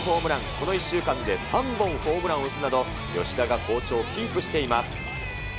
この１週間で３本のホームランを打つなど、吉田が好調をキープしています。